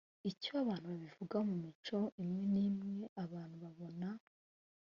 icyo abantu babivugaho mu mico imwe n imwe abantu babona